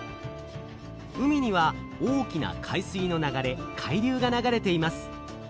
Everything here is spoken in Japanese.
海には大きな海水の流れ「海流」が流れています。